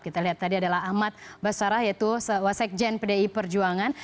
kita lihat tadi adalah ahmad baswarah yaitu sewasaik jn pdi perjuangan